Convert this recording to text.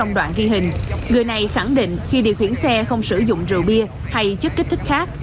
trong đoạn ghi hình người này khẳng định khi điều khiển xe không sử dụng rượu bia hay chất kích thích khác